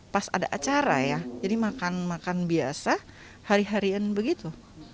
pas ada acara ya jadi makan makan biasa hari harian begitu